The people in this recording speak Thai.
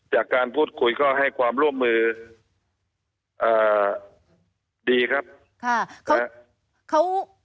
จากการพูดคุยก็ให้ความร่วมมืออ่าดีครับค่ะ